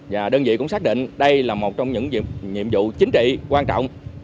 và đơn vị cũng xác định đây là một trong những nhiệm vụ chính trị quan trọng